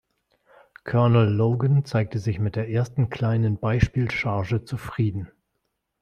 Colonel Logan zeigte sich mit der ersten kleinen Beispiel-Charge zufrieden.